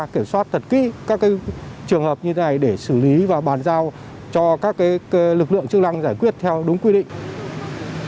kiểm soát thật kỹ các trường hợp như thế này để xử lý và bàn giao cho các lực lượng chức năng giải quyết theo đúng quy định